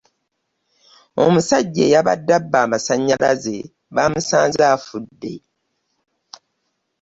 Omusajja eyabadde abba amasanyalaze bamusanze afudde.